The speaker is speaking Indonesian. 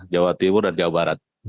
jawa timur dan jawa barat